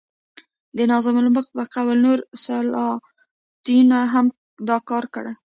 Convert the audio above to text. د نظام الملک په قول نورو سلاطینو هم دا کار کړی.